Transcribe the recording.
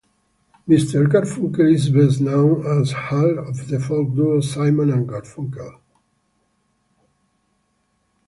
Mr. Garfunkel is best known as half of the folk duo Simon and Garfunkel.